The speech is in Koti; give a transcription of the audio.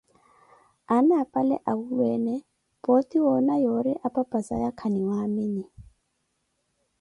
Aana apale awulweene pooti woona yoori apapa zaya khaniwamini.